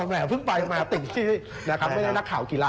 แหม่วเพิ่งไปมาติดที่ไม่ได้นักข่าวกีฬา